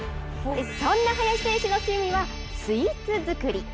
そんな林選手の趣味は、スイーツ作り。